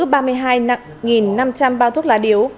ba mươi hai nặng năm trăm linh bao thuốc lá điếu